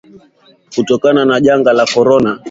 kutokana na janga la Korona